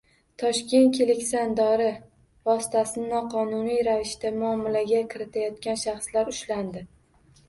Toshkentda “Kleksan” dori vositasini noqonuniy ravishda muomalaga kiritayotgan shaxslar ushlandi